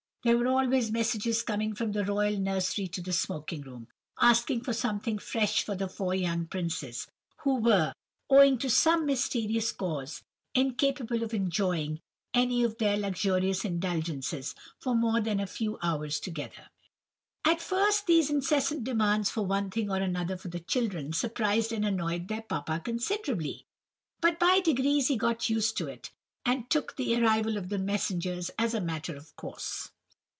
There were always messages coming from the royal nursery to the smoking room, asking for something fresh for the four young princes, who were, owing to some mysterious cause, incapable of enjoying any of their luxurious indulgences for more than a few hours together. "At first these incessant demands for one thing or another for the children, surprised and annoyed their papa considerably, but by degrees he got used to it, and took the arrival of the messengers as a matter of course.